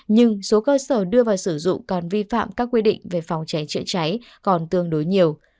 nhưng số cơ sở đưa vào sử dụng còn vi phạm các quy định về phòng cháy chữa cháy còn tương đối nhiều